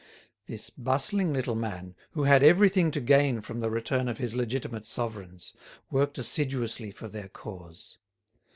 This bustling little man, who had everything to gain from the return of his legitimate sovereigns, worked assiduously for their cause.